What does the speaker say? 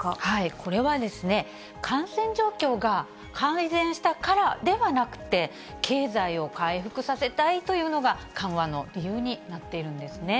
これは、感染状況が改善したからではなくて、経済を回復させたいというのが、緩和の理由になっているんですね。